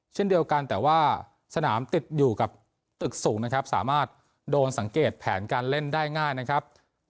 เช่นเดียวกันแต่ว่าสนามติดอยู่กับตึกสูงนะครับสามารถโดนสังเกตแผนการเล่นได้ง่ายนะครับ